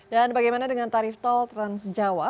dan bagaimana dengan tarif tol transjawa